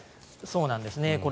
そうなんですね。